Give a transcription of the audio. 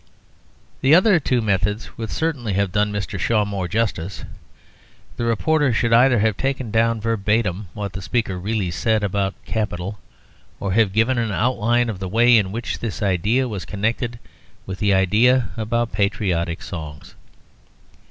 The other two methods would certainly have done Mr. Shaw more justice: the reporter should either have taken down verbatim what the speaker really said about Capital, or have given an outline of the way in which this idea was connected with the idea about patriotic songs.